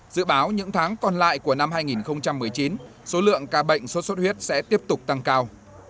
dự báo những tháng còn lại của năm hai nghìn một mươi chín số lượng ca bệnh sốt xuất huyết sẽ tiếp tục tăng cao